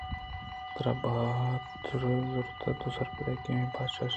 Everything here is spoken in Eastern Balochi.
ترا بَہتءَزُرتگ: تو سرپدے کہ مئے بادشاہ شیر